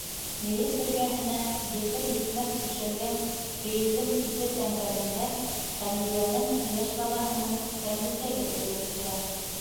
Мейес эргәһенә етер-етмәҫ түшәлгән кейеҙҙең сите тәңгәлендә Хәмдиәнең йәш балаһының сәңгелдәге элеүле тора.